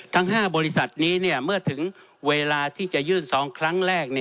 ทั้ง๕บริษัทนี้เมื่อถึงเวลาที่จะยื่น๒ครั้งแรก